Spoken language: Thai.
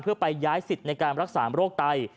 เพื่อไปย้ายสิทธิ์ในการรักษาโรคไต